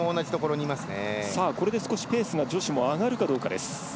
これで、少し女子がペース上がるかどうかです。